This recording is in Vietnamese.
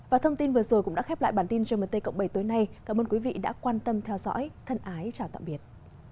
và thông tin vừa rồi cũng đã khép lại bản tin gmt cộng bảy tối nay cảm ơn quý vị đã quan tâm theo dõi thân ái chào tạm biệt